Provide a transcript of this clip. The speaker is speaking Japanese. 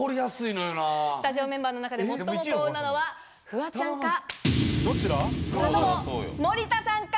スタジオメンバーの中で最も幸運なのはフワちゃんか、それとも森田さんか。